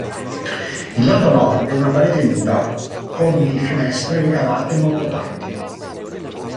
Il lato nord e una parete nuda, con di finestre ricavate molto tardi.